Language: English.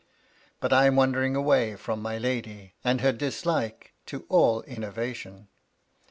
225 But I am wandering away from my lady, and her dislike to all innovation.